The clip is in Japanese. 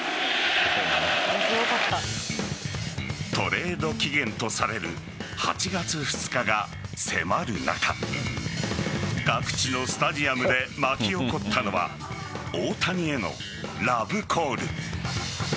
トレード期限とされる８月２日が迫る中各地のスタジアムで巻き起こったのは大谷へのラブコール。